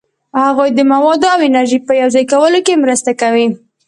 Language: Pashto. هغوی د موادو او انرژي په یوځای کولو کې مرسته کوي.